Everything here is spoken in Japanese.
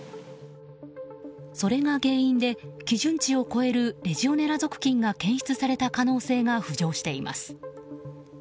それが原因で基準値を超えるレジオネラ属菌が検出された可能性が浮上しています。